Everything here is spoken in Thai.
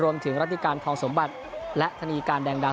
รวมถึงรัติการทองสมบัติและธนีการแดงดา